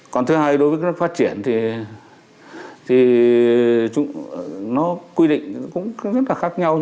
còn thứ hai đối với các nước phát triển thì nó quy định cũng rất là khác nhau